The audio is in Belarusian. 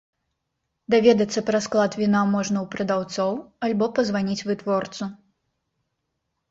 Даведацца пра склад віна можна у прадаўцоў, альбо пазваніць вытворцу.